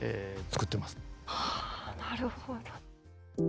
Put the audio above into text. はあなるほど。